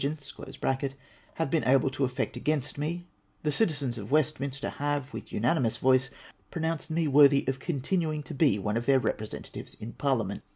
451 choicest agents) have been able to effect against me, the citizens of Westminster have, with unanimous voice, pro nounced me worthy of continuing to be one of their repre sentatives in Parliament.